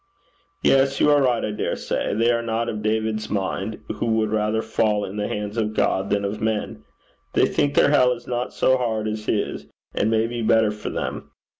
'Yes. You are right, I dare say. They are not of David's mind, who would rather fall into the hands of God than of men. They think their hell is not so hard as his, and may be better for them.